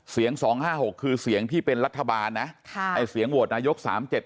๒๕๖คือเสียงที่เป็นรัฐบาลนะไอ้เสียงโหวตนายก๓๗